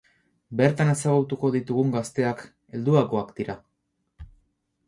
Bertan ezagutuko ditugun gazteak helduagoak dira.